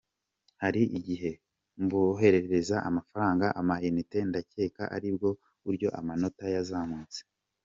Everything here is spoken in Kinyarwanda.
Hari igihe mboherereza amafaranga, ama-unites, ndacyeka ari bwo buryo amanota yazamutse”.